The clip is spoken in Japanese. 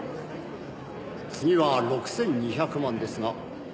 「次は６２００万ですが」